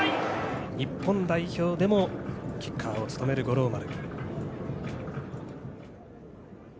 日本代表でもキッカーを務める五郎丸。